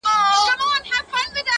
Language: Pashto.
خو دده زامي له يخه څخه رېږدي_